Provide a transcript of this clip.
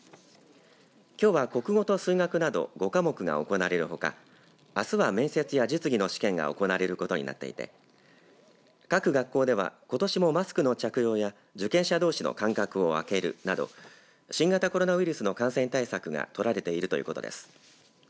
きょうは国語と数学など５科目が行われるほかあすは面接や実技の試験が行われることになっていて各学校ではことしもマスクの着用や受験者どうしの間隔をあけるなど新型コロナウイルスの感染対策が取られているということです。